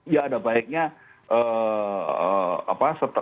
ya ada baiknya